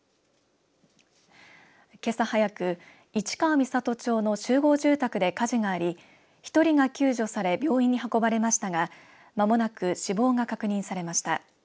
けさ早く市川三郷町の集合住宅で火事があり１人が救助され病院に運ばれましたが間もなく死亡が確認されました。